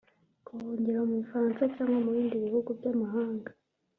Guhungira mu Bufaransa cyangwa mu bindi bihugu by’amahanga